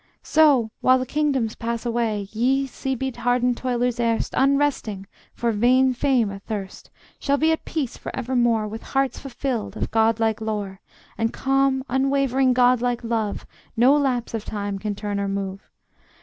So while the kingdoms pass away, Ye sea beat hardened toilers erst, Unresting, for vain fame athirst, Shall be at peace for evermore, With hearts fulfilled of Godlike lore, And calm, unwavering Godlike love, No lapse of time can turn or move.